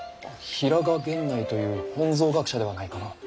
平賀源内という本草学者ではないかの。